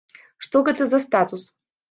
Што гэта за статус?